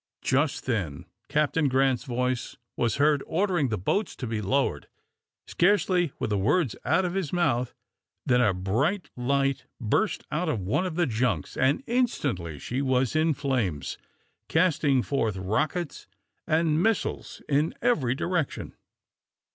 Just then Captain Grant's voice was heard ordering the boats to be lowered. Scarcely were the words out of his mouth than a bright light burst out of one of the junks, and instantly she was in flames, casting forth rockets and missiles of every description.